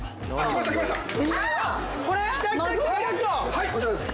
はいこちらです。